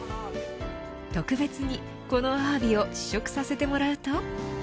特別に、このアワビを試食させてもらうと。